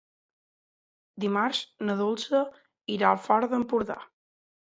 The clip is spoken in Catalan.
Dimarts na Dolça irà al Far d'Empordà.